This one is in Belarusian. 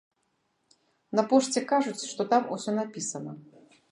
На пошце кажуць, што там усё напісана.